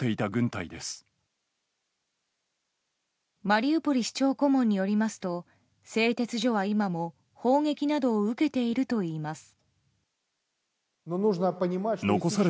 マリウポリ市長顧問によりますと製鉄所は今も、砲撃などを受けているといいます。